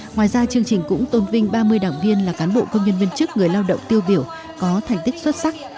ngoài ra chương trình cũng tôn vinh ba mươi đảng viên là cán bộ công nhân viên chức người lao động tiêu biểu có thành tích xuất sắc